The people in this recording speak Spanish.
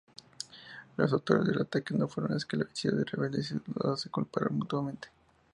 Los autores del ataque no fueron esclarecidos; rebeldes y soldados se culparon mutuamente.